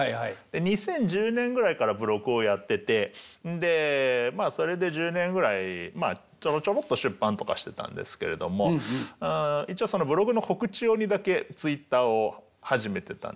２０１０年ぐらいからブログをやっててでまあそれで１０年ぐらいちょろちょろっと出版とかしてたんですけれども一応ブログの告知用にだけツイッターを始めてたんです。